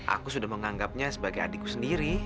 aku sudah menganggapnya sebagai adikku sendiri